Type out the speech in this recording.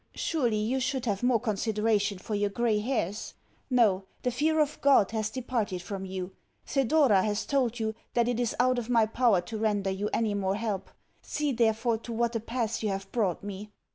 Surely you should have more consideration for your grey hairs. No, the fear of God has departed from you. Thedora has told you that it is out of my power to render you anymore help. See, therefore, to what a pass you have brought me!